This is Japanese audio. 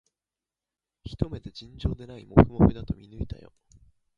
ひと目で、尋常でないもふもふだと見抜いたよ